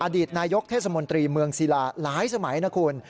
อดีตนายกเทศมนตรีเมืองศิลาหลายสมัยนะคุณ